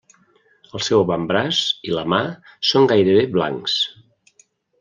El seu avantbraç i la mà són gairebé blancs.